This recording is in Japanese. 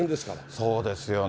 そうですよね。